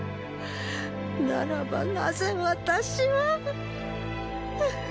ならばなぜ私は！っ！